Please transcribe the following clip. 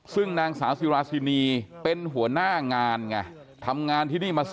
ซึ่งนางสาวสิราศินีย์เป็นหัวหน้างาน